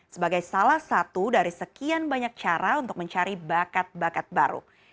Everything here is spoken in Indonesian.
sebagai salah satu dari sekian banyak cara untuk mencari bakat bakat baru